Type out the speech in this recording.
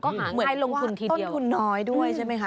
เหมือนว่าต้นทุนน้อยด้วยใช่ไหมคะ